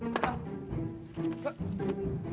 muka lo penuh tai burung dik